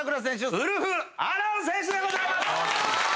ウルフアロン選手でございます！